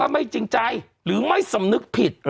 ไม่จริงใจหรือไม่สำนึกผิด